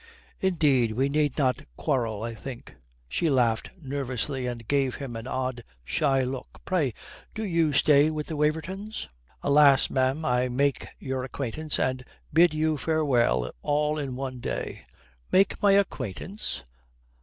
"Indeed, we need not quarrel, I think." She laughed nervously, and gave him an odd, shy look. "Pray, do you stay with the Wavertons?" "Alas, ma'am, I make your acquaintance and bid you farewell all in one day." "Make my acquaintance!"